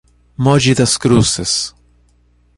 Moji Das Cruzes